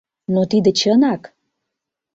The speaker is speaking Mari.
— Но тиде чынак!